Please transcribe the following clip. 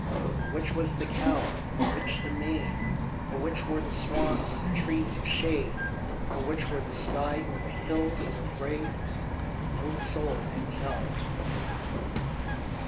But which was the cow and which the maid, And which were the swans or the trees of shade, And which were the sky or the hills, I'm afraid, No soul could tell.